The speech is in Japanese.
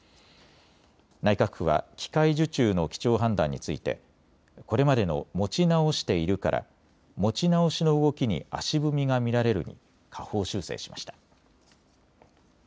内閣府は機械受注の基調判断についてこれまでの持ち直しているから持ち直しの動きに足踏みが見られるに下方修正しました。